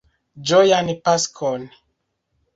Ĝojan Paskon!